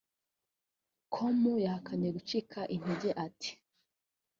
com yahakanye gucika intege ati